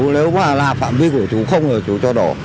nếu mà là phạm vi của chú không được chú cho đổ